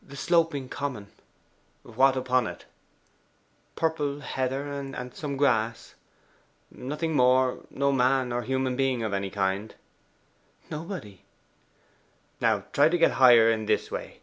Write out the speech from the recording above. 'The sloping common.' 'What upon it?' 'Purple heather and some grass.' 'Nothing more no man or human being of any kind?' 'Nobody.' 'Now try to get higher in this way.